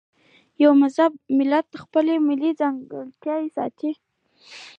یو مهذب ملت خپلې ملي ځانګړنې ساتي.